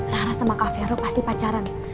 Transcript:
rara sama kak fero pasti pacaran